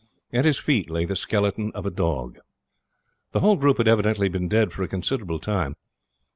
At his feet lay the skeleton of a dog. The whole group had evidently been dead for a considerable time.